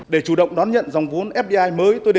để chủ động đón nhận dòng vốn fdi mới